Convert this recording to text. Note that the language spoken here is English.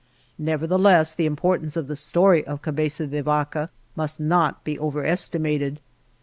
Nevertheless, the impor tance of the story of Cabeza de Vaca must not be overestimated.